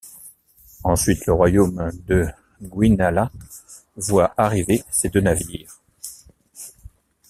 Ensuite, le Royaume de Guinala voit arriver ces deux navires.